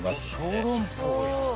小籠包や。